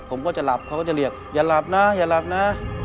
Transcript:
ผมก็จะหลับเขาก็จะเรียกอย่าหลับนะอย่าหลับนะ